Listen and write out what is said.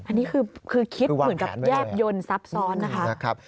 อันนี้คือคิดเหมือนกับแยบยนต์ซับซ้อนนะคะ